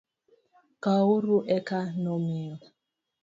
Kwauru eka nomiu